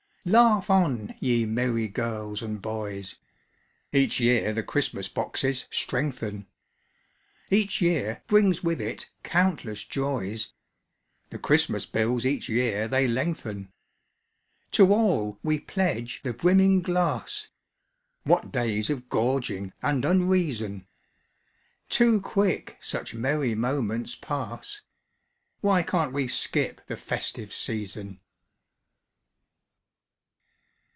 _) Laugh on, ye merry girls and boys! (Each year the Christmas boxes strengthen,) Each year brings with it countless joys; (The Christmas bills each year they lengthen.) To all we pledge the brimming glass! (What days of gorging and unreason!) Too quick such merry moments pass (_Why can't we skip the "festive season"?